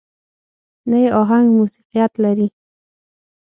نه يې اهنګ موسيقيت لري.